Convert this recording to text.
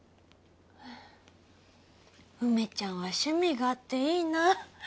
梅ちゃんは趣味があっていいな。